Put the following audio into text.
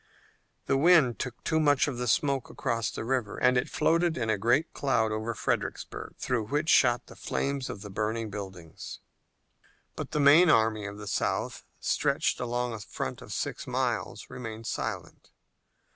The wind took much of the smoke across the river and it floated in a great cloud over Fredericksburg, through which shot the flames of the burning buildings. But the main army of the South, stretched along a front of six miles, remained silent.